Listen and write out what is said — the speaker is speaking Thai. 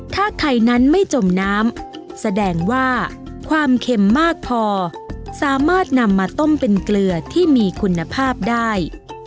ถ้าไข่นั้นไม่จมน้ำแสดงว่าความเค็มมากพอสามารถนำมาต้มเป็นเกลือที่มีคุณภาพได้